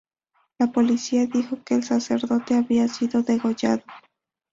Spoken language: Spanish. La policía dijo que el sacerdote había sido degollado.